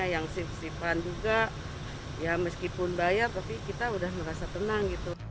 yang sif sipan juga ya meskipun bayar tapi kita udah merasa tenang gitu